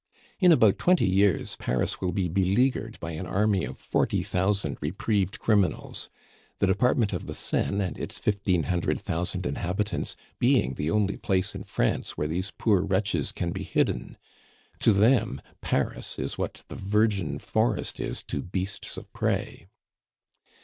In about twenty years Paris will be beleaguered by an army of forty thousand reprieved criminals; the department of the Seine and its fifteen hundred thousand inhabitants being the only place in France where these poor wretches can be hidden. To them Paris is what the virgin forest is to beasts of prey.